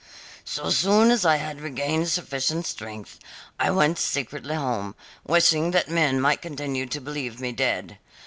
"So soon as I had regained sufficient strength, I went secretly home, wishing that men might continue to believe me dead.